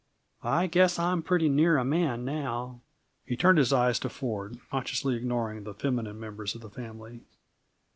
"I guess I'm pretty near a man, now." He turned his eyes to Ford, consciously ignoring the feminine members of his family.